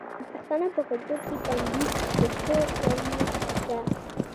د پښتنو په کلتور کې تندور د کور ګرمي ده.